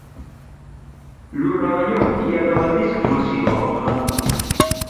Lurra baino ia lau aldiz masiboagoa da.